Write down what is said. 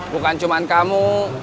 bukan cuman kamu